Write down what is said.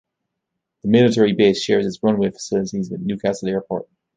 The military base shares its runway facilities with Newcastle Airport.